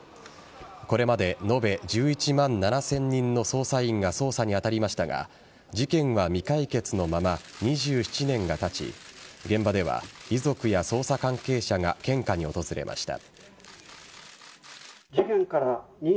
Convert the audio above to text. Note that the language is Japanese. これまで延べ１１万７０００人の捜査員が捜査に当たりましたが事件は未解決のまま２７年がたち現場では遺族や捜査関係者が献花に訪れました。